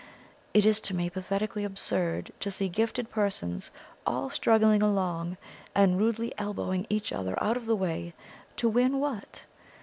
It is to me pathetically absurd to see gifted persons all struggling along, and rudely elbowing each other out of the way to win what?